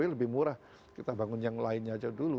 lebih murah kita bangun yang lainnya aja dulu